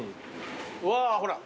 うわーほら。